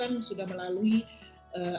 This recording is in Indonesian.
dan mengikuti bukti secara klinis